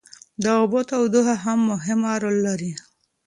د اوبو تودوخه هم مهم رول لري.